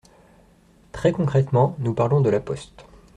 Très concrètement, nous parlons de La Poste.